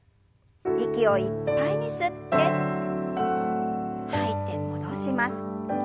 息をいっぱいに吸って吐いて戻します。